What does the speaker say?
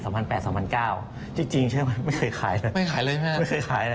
จริงไม่เคยขายเหรอครับไม่เคยขายนะครับไม่ขายเลยนะครับ